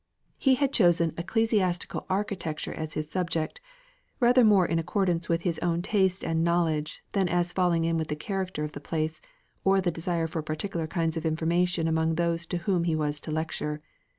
He had chosen Ecclesiastical Architecture as his subject, rather more in accordance with his own taste and knowledge than as falling in with the character of the place or the desire for particular kinds of information among those to whom he was to lecture.